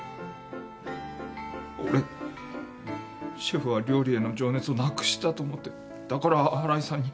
俺シェフは料理への情熱をなくしたと思ってだから新井さんに。